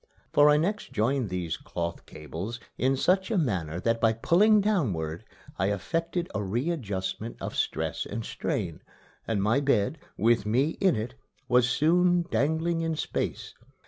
For I next joined these cloth cables in such manner that by pulling downward I effected a readjustment of stress and strain, and my bed, with me in it, was soon dangling in space.